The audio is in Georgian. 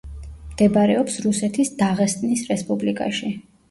მდებარეობს რუსეთის დაღესტნის რესპუბლიკაში.